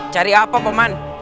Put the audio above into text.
cari apa paman